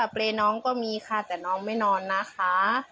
เปรย์น้องก็มีค่ะแต่น้องไม่นอนนะคะ